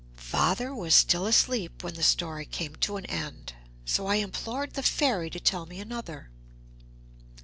Father was still asleep when the story came to an end, so I implored the Fairy to tell me another.